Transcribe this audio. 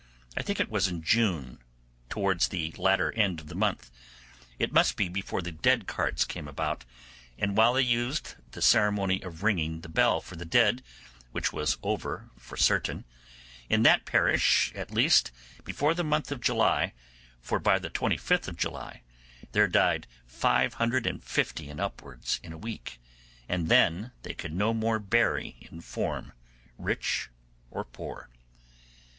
I think it was in June, towards the latter end of the month; it must be before the dead carts came about, and while they used the ceremony of ringing the bell for the dead, which was over for certain, in that parish at least, before the month of July, for by the 25th of July there died 550 and upwards in a week, and then they could no more bury in form, rich or poor.